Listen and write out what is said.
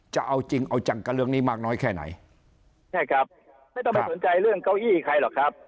จะเอาจริงเอาจังกับเรื่องนี้มากน้อยแค่ไหนใช่ครับไม่ต้องไปสนใจเรื่องเก้าอี้ใครหรอกครับ